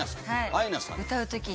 アイナさん。